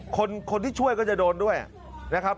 คนที่ช่วยก็จะโดนด้วยนะครับ